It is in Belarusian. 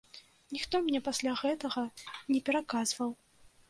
Ніхто мне пасля гэтага не пераказваў.